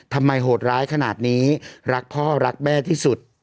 โหดร้ายขนาดนี้รักพ่อรักแม่ที่สุด